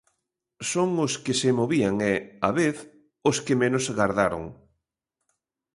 Son os que se movían e, á vez, os que menos gardaron.